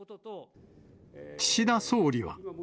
岸田総理は。